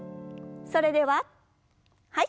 それでははい。